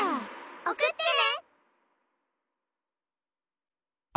・おくってね。